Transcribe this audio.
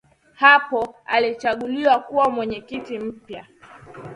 Hapo alichaguliwa kuwa mweyekiti mpya